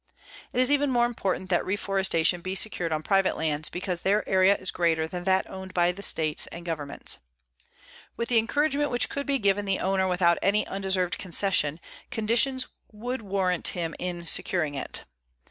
It is even more important that reforestation be secured on private lands, because their area is greater than that owned by state and government. With the encouragement which could be given the owner without any undeserved concession, conditions would warrant him in securing it.